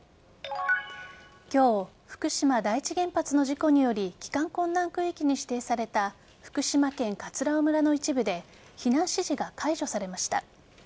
今日福島第一原発の事故により帰還困難区域に指定された福島県葛尾村の一部で避難指示が解除されました。